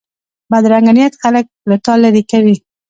بدرنګه نیت خلک له تا لرې کوي